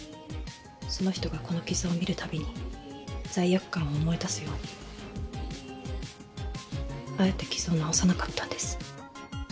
その人がこの傷を見るたびに罪悪感を思い出すようにあえて傷を治さなかったんです。